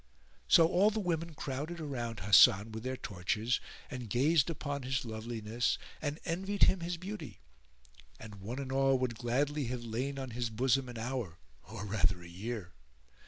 [FN#409] So all the women crowded around Hasan with their torches and gazed on his loveliness and envied him his beauty; and one and all would gladly have lain on his bosom an hour or rather a year.